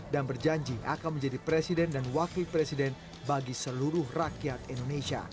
dan berjanji akan menjadi presiden dan wakil presiden bagi seluruh rakyat indonesia